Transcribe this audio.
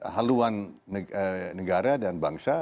haluan negara dan bangsa